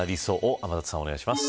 天達さん、お願いします。